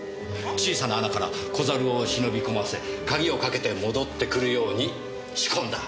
小さな穴から小猿を忍び込ませ鍵をかけて戻ってくるように仕込んだ。